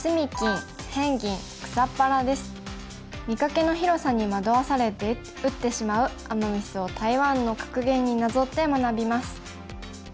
見かけの広さに惑わされて打ってしまうアマ・ミスを台湾の格言になぞって学びます。